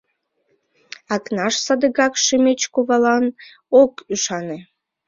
Акнаш садыгак Шемеч кувалан ок ӱшане.